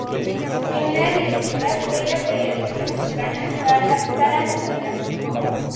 Su primera directora fue la periodista mexicana Sara Lovera.